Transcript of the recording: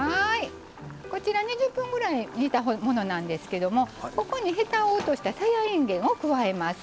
こちら２０分ぐらい煮たものなんですけどもここにへたを落としたさやいんげんを加えます。